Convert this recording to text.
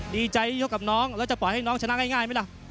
ดีใจที่ยกกับน้องแล้วจะปล่อยให้น้องชนะง่ายไหมล่ะ